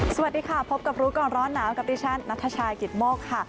สวัสดีค่ะพบกับรู้ก่อนร้อนหนาวกับดิฉันนัทชายกิตโมกค่ะ